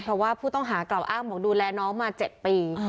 เพราะว่าผู้ต้องหากล่าวอ้างบอกดูแลน้องมา๗ปี